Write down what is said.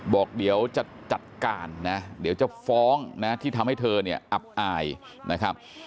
บอกเดี๋ยวจะจัดการนะเดี๋ยวจะฟ้องนะที่ทำให้เธอเนี่ยอับอายนะครับ